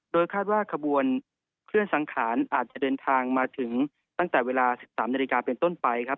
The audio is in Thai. โดยคาดว่าขบวนเคลื่อนสังขารอาจจะเดินทางมาถึงตั้งแต่เวลา๑๓นาฬิกาเป็นต้นไปครับ